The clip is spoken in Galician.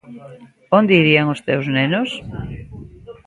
Onde irían os teus nenos?